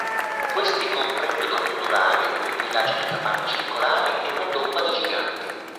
Questi comprendono un nuraghe, un villaggio di capanne circolari e una tomba dei giganti.